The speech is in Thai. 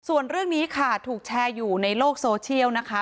ส่วนเรื่องนี้ค่ะถูกแชร์อยู่ในโลกโซเชียลนะคะ